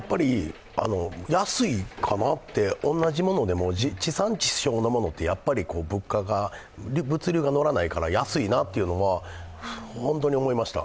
安いかなって、同じものでも地産地消のものって、物流に乗らないから安いかなって本当に思いました。